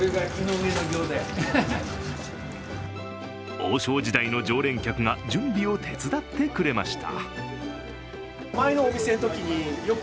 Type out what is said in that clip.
王将時代の常連客が準備を手伝ってくれました。